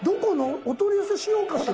「お取り寄せしようかしら？」